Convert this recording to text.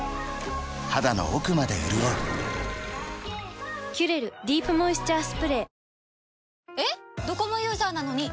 肌の奥まで潤う「キュレルディープモイスチャースプレー」